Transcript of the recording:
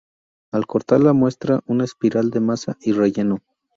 Al cortarla, muestra una espiral de masa y relleno.